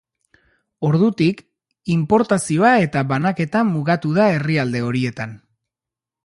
Ordutik, inportazioa eta banaketa mugatu da herrialde horietan.